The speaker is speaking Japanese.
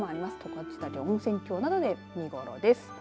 十勝岳温泉郷などで見頃です。